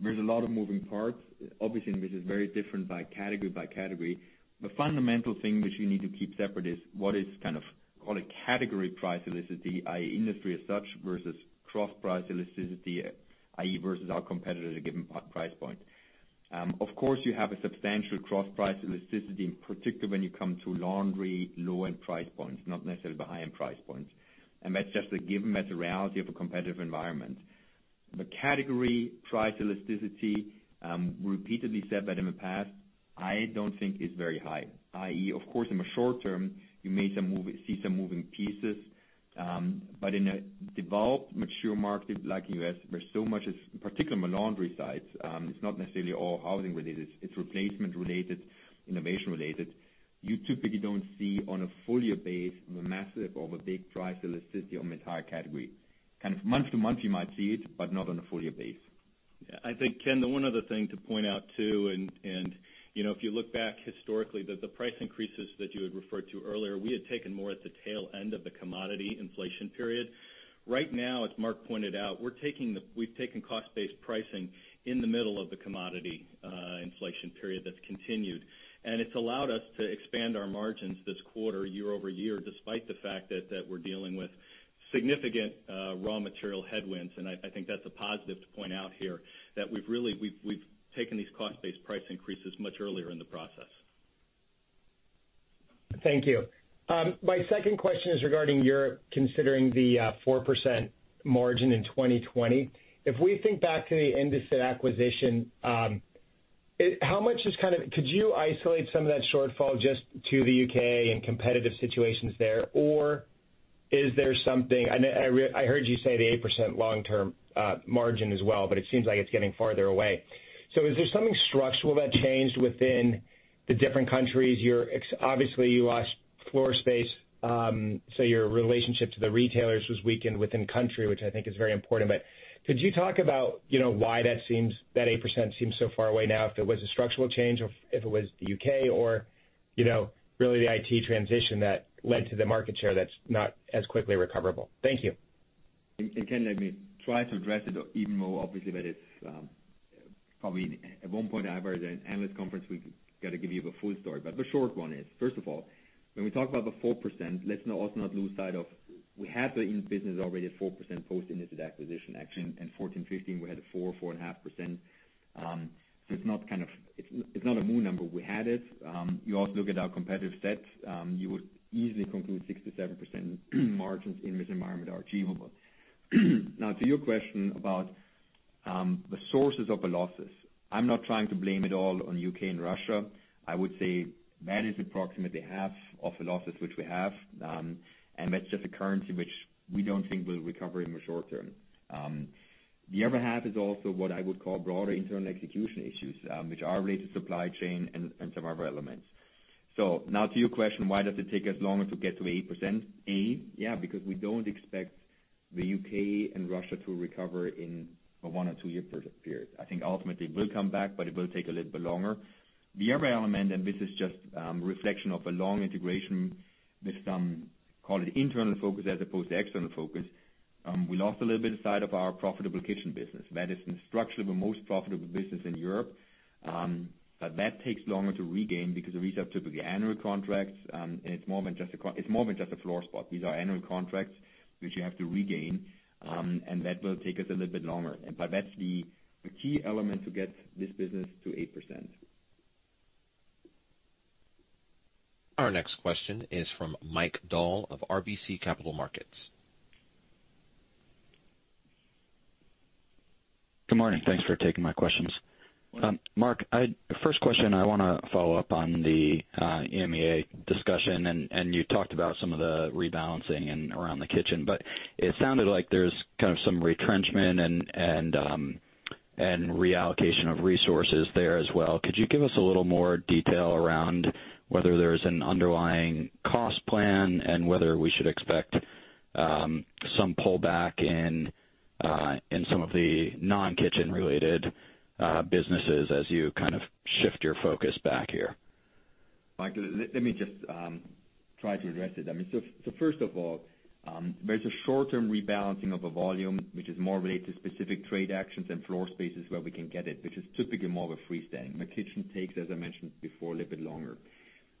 there's a lot of moving parts. Obviously, this is very different by category. The fundamental thing which we need to keep separate is what is called a category price elasticity, i.e. industry as such, versus cross price elasticity, i.e. versus our competitor at a given price point. Of course, you have a substantial cross price elasticity, in particular, when you come to laundry, low-end price points, not necessarily the high-end price points. That's just given as a reality of a competitive environment. The category price elasticity, repeatedly said that in the past, I don't think is very high. I.e., of course, in the short term, you may see some moving pieces, but in a developed mature market like U.S., there's so much, particularly on the laundry side. It's not necessarily all housing related. It's replacement related, innovation related. You typically don't see on a full year base the massive or the big price elasticity on the entire category. Kind of month-to-month you might see it, but not on a full year base. Yeah. I think, Ken, the one other thing to point out too, if you look back historically, the price increases that you had referred to earlier, we had taken more at the tail end of the commodity inflation period. Right now, as Marc pointed out, we've taken cost-based pricing in the middle of the commodity inflation period that's continued. It's allowed us to expand our margins this quarter year-over-year, despite the fact that we're dealing with significant raw material headwinds. I think that's a positive to point out here, that we've taken these cost-based price increases much earlier in the process. Thank you. My second question is regarding Europe, considering the 4% margin in 2020. If we think back to the Indesit acquisition, could you isolate some of that shortfall just to the U.K. and competitive situations there? Is there something, I heard you say the 8% long-term margin as well, but it seems like it's getting farther away. Is there something structural that changed within the different countries? Obviously, you lost floor space, so your relationship to the retailers was weakened within country, which I think is very important. Could you talk about why that 8% seems so far away now, if it was a structural change or if it was the U.K. or really the IT transition that led to the market share that's not as quickly recoverable? Thank you. Ken, let me try to address it, even though obviously that it's probably at one point either an analyst conference we got to give you the full story. The short one is, first of all, when we talk about the 4%, let's also not lose sight of we had the Indesit business already at 4% post Indesit acquisition action. In 2014, 2015, we had a 4%, 4.5%. It's not a new number. We had it. You also look at our competitive set, you would easily conclude 6%-7% margins in this environment are achievable. Now to your question about the sources of the losses. I'm not trying to blame it all on U.K. and Russia. I would say that is approximately half of the losses which we have, and that's just the currency which we don't think will recover in the short term. The other half is also what I would call broader internal execution issues, which are related to supply chain and some other elements. Now to your question, why does it take us longer to get to 8%? A, yeah, because we don't expect the U.K. and Russia to recover in a one or two year period. I think ultimately it will come back, but it will take a little bit longer. The other element, this is just reflection of a long integration with some, call it internal focus as opposed to external focus. We lost a little bit of side of our profitable kitchen business. That is structurally the most profitable business in Europe. That takes longer to regain because these are typically annual contracts, and it's more than just a floor spot. These are annual contracts which you have to regain, and that will take us a little bit longer. That's the key element to get this business to 8%. Our next question is from Michael Dahl of RBC Capital Markets. Good morning. Thanks for taking my questions. Welcome. Marc, first question, I want to follow up on the EMEA discussion. You talked about some of the rebalancing and around the kitchen, it sounded like there's some retrenchment and reallocation of resources there as well. Could you give us a little more detail around whether there's an underlying cost plan and whether we should expect some pullback in some of the non-kitchen related businesses as you shift your focus back here? Mike, let me just try to address it. First of all, there's a short-term rebalancing of a volume, which is more related to specific trade actions and floor spaces where we can get it, which is typically more of a freestanding. The kitchen takes, as I mentioned before, a little bit longer.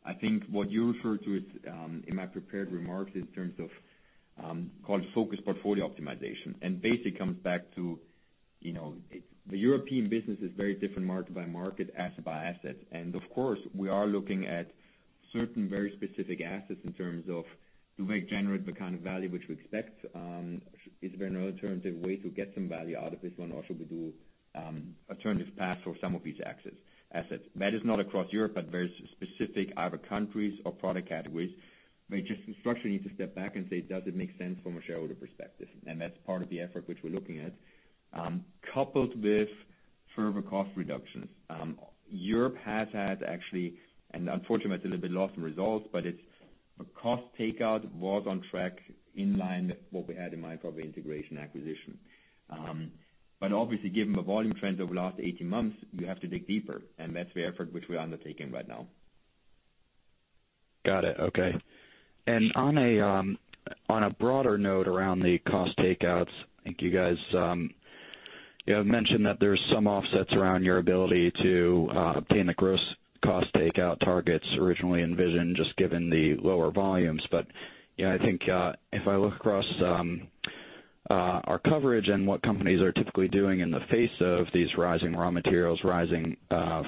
I think what you refer to is, in my prepared remarks, in terms of called focus portfolio optimization. Basically comes back to the European business is very different market by market, asset by asset. Of course, we are looking at certain very specific assets in terms of do they generate the kind of value which we expect? Is there no alternative way to get some value out of this one, or should we do alternative paths for some of these assets? That is not across Europe, but very specific either countries or product categories. We just structurally need to step back and say, "Does it make sense from a shareholder perspective?" That's part of the effort which we're looking at. Coupled with further cost reductions. Europe has had actually, and unfortunately, it's a little bit lost in results, but its cost takeout was on track, in line with what we had in mind for the integration acquisition. Obviously, given the volume trends over the last 18 months, you have to dig deeper, and that's the effort which we are undertaking right now. Got it. Okay. On a broader note around the cost takeouts, I think you guys have mentioned that there's some offsets around your ability to obtain the gross cost takeout targets originally envisioned, just given the lower volumes. I think if I look across our coverage and what companies are typically doing in the face of these rising raw materials, rising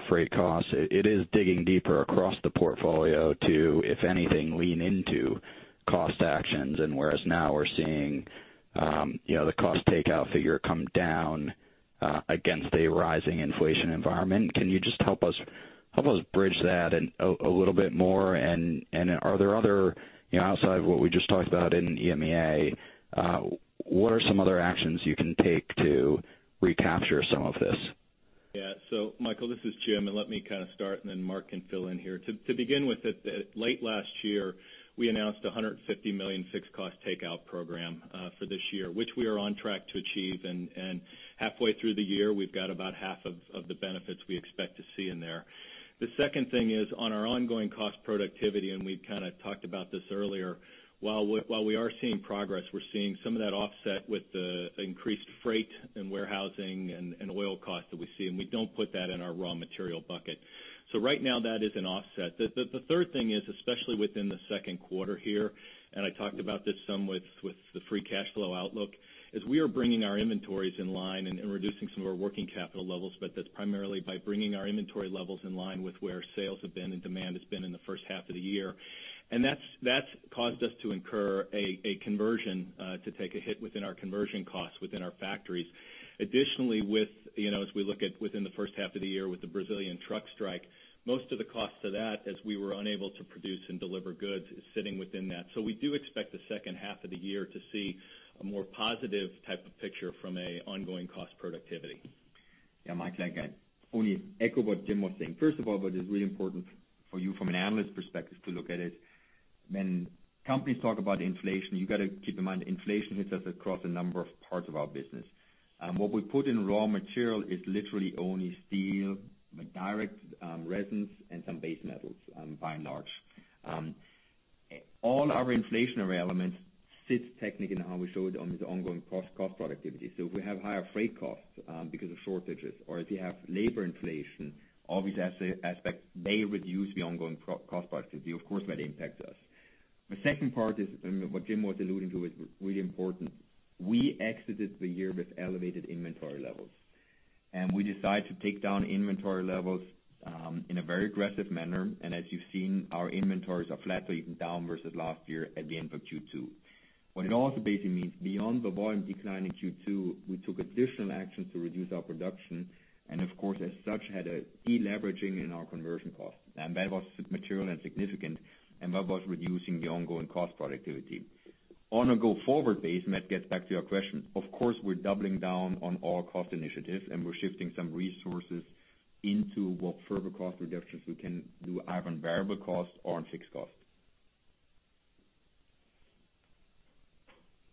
freight costs, it is digging deeper across the portfolio to, if anything, lean into cost actions. Whereas now we're seeing the cost takeout figure come down against a rising inflation environment. Can you just help us bridge that a little bit more? Are there other, outside of what we just talked about in EMEA, what are some other actions you can take to recapture some of this? Yeah. Michael, this is Jim, let me start, Marc can fill in here. To begin with, late last year, we announced a $150 million fixed cost takeout program for this year, which we are on track to achieve. Halfway through the year, we've got about half of the benefits we expect to see in there. The second thing is on our ongoing cost productivity, we've talked about this earlier. While we are seeing progress, we're seeing some of that offset with the increased freight and warehousing and oil costs that we see, and we don't put that in our raw material bucket. Right now that is an offset. The third thing is, especially within the second quarter here, I talked about this some with the free cash flow outlook, is we are bringing our inventories in line and reducing some of our working capital levels, that's primarily by bringing our inventory levels in line with where sales have been and demand has been in the first half of the year. That's caused us to incur a conversion, to take a hit within our conversion costs within our factories. Additionally, as we look at within the first half of the year with the Brazilian truck strike, most of the cost to that, as we were unable to produce and deliver goods, is sitting within that. We do expect the second half of the year to see a more positive type of picture from an ongoing cost productivity. Michael, again, only echo what Jim was saying. First of all, what is really important for you from an analyst perspective to look at it, when companies talk about inflation, you got to keep in mind inflation hits us across a number of parts of our business. What we put in raw material is literally only steel, direct resins, and some base metals, by and large. All our inflationary elements sit technically in how we show it on the ongoing cost productivity. If we have higher freight costs because of shortages, or if you have labor inflation, all these aspects, they reduce the ongoing cost productivity. Of course, that impacts us. The second part is what Jim was alluding to is really important. We exited the year with elevated inventory levels, we decided to take down inventory levels in a very aggressive manner. As you've seen, our inventories are flat or even down versus last year at the end of Q2. What it also basically means, beyond the volume decline in Q2, we took additional actions to reduce our production, of course, as such, had a deleveraging in our conversion costs. That was material and significant, and that was reducing the ongoing cost productivity. On a go-forward basis, that gets back to your question, of course, we're doubling down on all cost initiatives, we're shifting some resources into what further cost reductions we can do, either on variable costs or on fixed costs.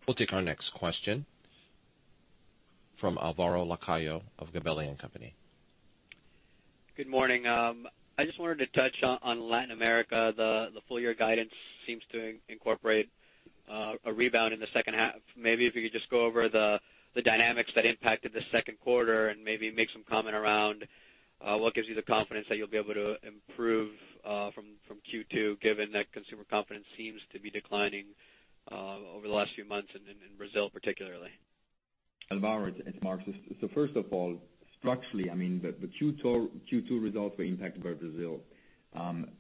We'll take our next question from Alvaro Lacayo of Gabelli & Company. Good morning. I just wanted to touch on Latin America. The full-year guidance seems to incorporate a rebound in the second half. Maybe if you could just go over the dynamics that impacted the second quarter and maybe make some comment around what gives you the confidence that you'll be able to improve from Q2, given that consumer confidence seems to be declining over the last few months in Brazil particularly. Alvaro, it's Marc. First of all, structurally, the Q2 results were impacted by Brazil.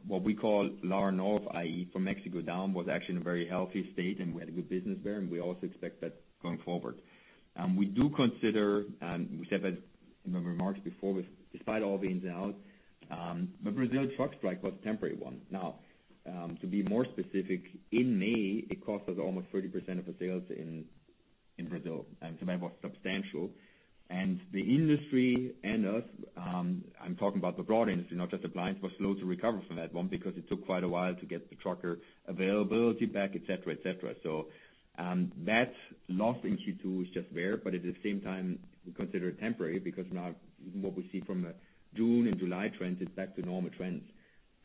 What we call LAR North, i.e., from Mexico down, was actually in a very healthy state, and we had a good business there, and we also expect that going forward. We do consider, and we said that in the remarks before, despite all the ins and outs, the Brazil truck strike was a temporary one. To be more specific, in May, it cost us almost 30% of the sales in Brazil. That was substantial. The industry and us, I'm talking about the broad industry, not just appliance, was slow to recover from that one because it took quite a while to get the trucker availability back, et cetera. That loss in Q2 was just there, but at the same time, we consider it temporary because now what we see from the June and July trends is back to normal trends.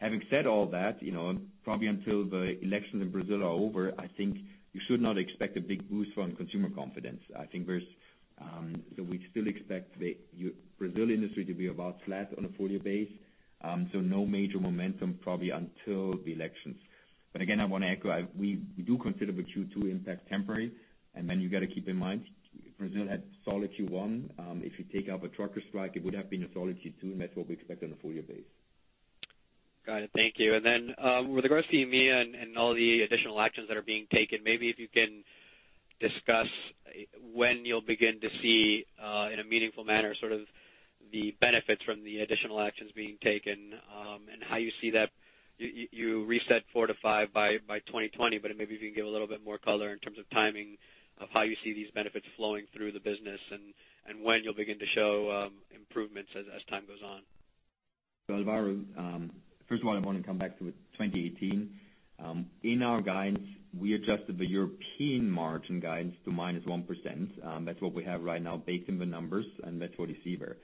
Having said all that, probably until the elections in Brazil are over, I think you should not expect a big boost from consumer confidence. We still expect the Brazil industry to be about flat on a full year base. No major momentum probably until the elections. Again, I want to echo, we do consider the Q2 impact temporary. You got to keep in mind, Brazil had solid Q1. If you take out the trucker strike, it would have been a solid Q2, and that's what we expect on a full year base. Got it. Thank you. With regards to EMEA and all the additional actions that are being taken, maybe if you can discuss when you'll begin to see, in a meaningful manner, the benefits from the additional actions being taken, and how you see that. You reset 4% to 5% by 2020, maybe if you can give a little bit more color in terms of timing of how you see these benefits flowing through the business and when you'll begin to show improvements as time goes on. Alvaro, first of all, I want to come back to 2018. In our guidance, we adjusted the European margin guidance to -1%. That's what we have right now based on the numbers, and that's what you see there.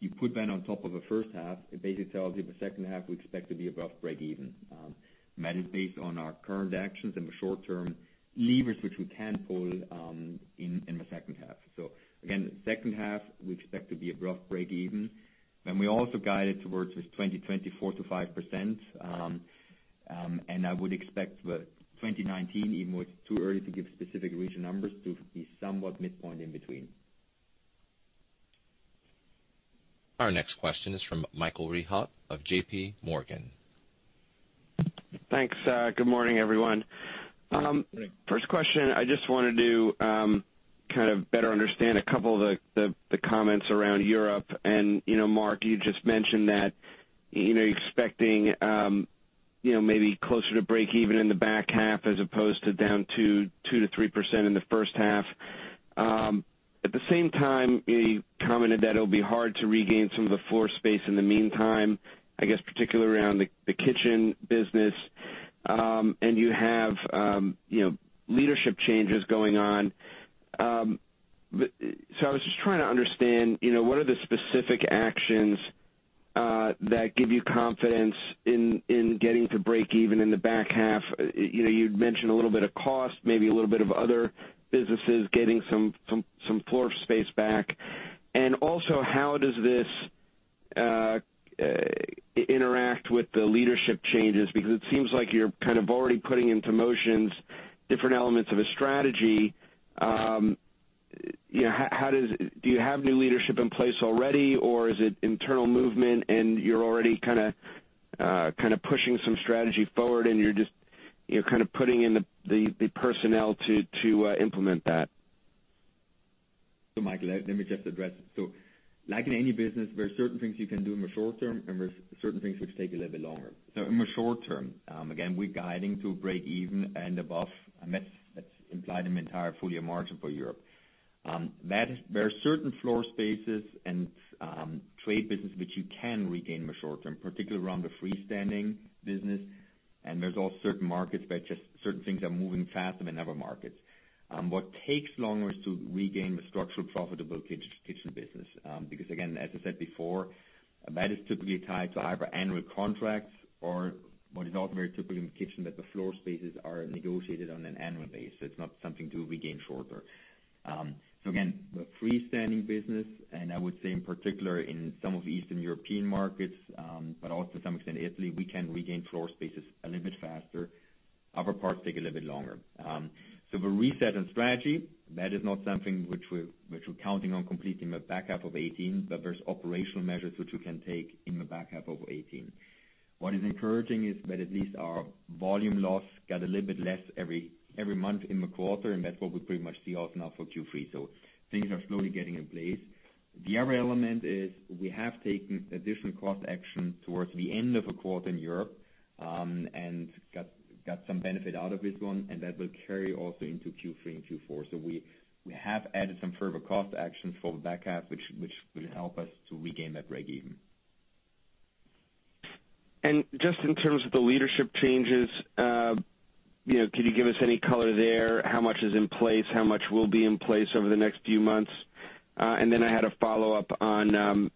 You put that on top of the first half, it basically tells you the second half we expect to be above breakeven. That is based on our current actions and the short-term levers which we can pull in the second half. Again, the second half, we expect to be above breakeven. We also guided towards 2020, 4% to 5%. I would expect that 2019, even though it's too early to give specific region numbers, to be somewhat midpoint in between. Our next question is from Michael Rehaut of J.P. Morgan. Thanks. Good morning, everyone. Good morning. First question, I just wanted to kind of better understand a couple of the comments around Europe. Marc, you just mentioned that you're expecting maybe closer to breakeven in the back half as opposed to down 2%-3% in the first half. At the same time, you commented that it'll be hard to regain some of the floor space in the meantime, I guess, particularly around the kitchen business. You have leadership changes going on. I was just trying to understand, what are the specific actions that give you confidence in getting to breakeven in the back half? You mentioned a little bit of cost, maybe a little bit of other businesses getting some floor space back. Also, how does this interact with the leadership changes? Because it seems like you're already putting into motions different elements of a strategy. Do you have new leadership in place already, or is it internal movement and you're already pushing some strategy forward and you're just putting in the personnel to implement that? Michael, let me just address it. Like in any business, there are certain things you can do in the short term, and there are certain things which take a little bit longer. In the short term, again, we're guiding to breakeven and above, and that's implied in the entire full-year margin for Europe. There are certain floor spaces and trade business which you can regain in the short term, particularly around the freestanding business. There's also certain markets where just certain things are moving faster than other markets. What takes longer is to regain the structural profitable kitchen business. Again, as I said before, that is typically tied to either annual contracts or what is also very typical in kitchen that the floor spaces are negotiated on an annual basis. It's not something to regain shorter. Again, the freestanding business, I would say in particular in some of the Eastern European markets, but also to some extent Italy, we can regain floor spaces a little bit faster. Other parts take a little bit longer. The reset and strategy, that is not something which we're counting on completing the back half of 2018, there's operational measures which we can take in the back half of 2018. What is encouraging is that at least our volume loss got a little bit less every month in the quarter, and that's what we pretty much see also now for Q3. Things are slowly getting in place. The other element is we have taken additional cost action towards the end of the quarter in Europe, got some benefit out of this one, that will carry also into Q3 and Q4. We have added some further cost action for the back half, which will help us to regain that breakeven. In terms of the leadership changes, can you give us any color there? How much is in place, how much will be in place over the next few months? I had a follow-up on,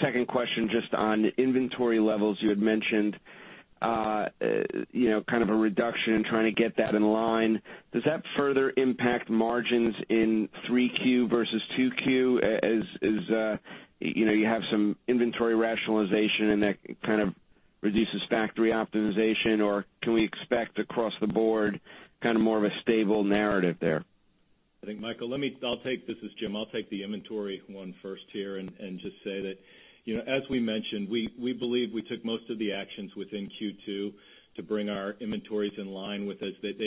second question just on inventory levels. You had mentioned a reduction in trying to get that in line. Does that further impact margins in 3Q versus 2Q as you have some inventory rationalization and that kind of reduces factory optimization, or can we expect across the board more of a stable narrative there? I think, Michael, this is Jim. I'll take the inventory one first here and just say that, as we mentioned, we believe we took most of the actions within Q2 to bring our inventories in line with us. At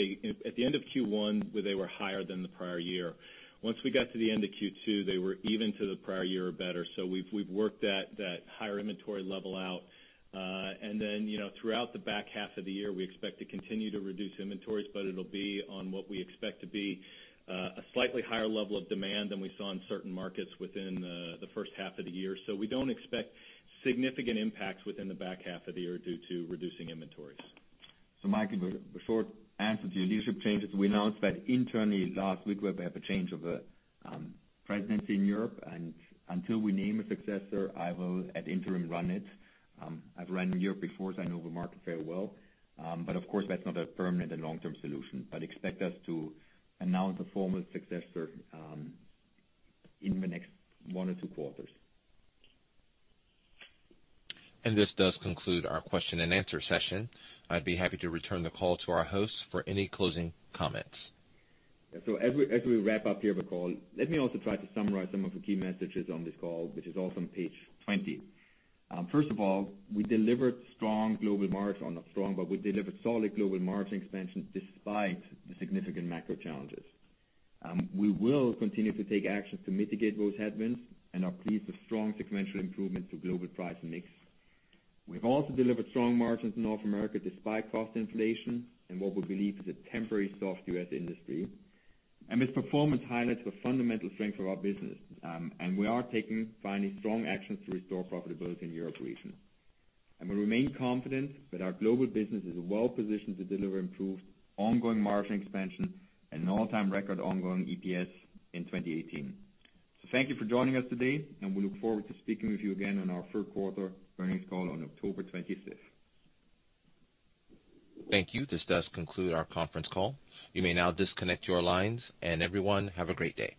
the end of Q1, they were higher than the prior year. Once we got to the end of Q2, they were even to the prior year or better. We've worked that higher inventory level out. Throughout the back half of the year, we expect to continue to reduce inventories, but it'll be on what we expect to be a slightly higher level of demand than we saw in certain markets within the first half of the year. We don't expect significant impacts within the back half of the year due to reducing inventories. Michael, the short answer to your leadership changes, we announced that internally last week we have a change of presidency in Europe, and until we name a successor, I will at interim run it. I've run Europe before, so I know the market very well. Of course, that's not a permanent and long-term solution, but expect us to announce a formal successor in the next one or two quarters. This does conclude our question and answer session. I'd be happy to return the call to our host for any closing comments. As we wrap up here the call, let me also try to summarize some of the key messages on this call, which is also on page 20. First of all, we delivered solid global margin expansion despite the significant macro challenges. We will continue to take action to mitigate those headwinds and are pleased with strong sequential improvements to global price mix. We've also delivered strong margins in North America despite cost inflation and what we believe is a temporary soft U.S. industry. This performance highlights the fundamental strength of our business, and we are taking finally strong actions to restore profitability in Europe region. We remain confident that our global business is well-positioned to deliver improved ongoing margin expansion and all-time record ongoing EPS in 2018. Thank you for joining us today, and we look forward to speaking with you again on our third quarter earnings call on October 25th. Thank you. This does conclude our conference call. You may now disconnect your lines, and everyone, have a great day.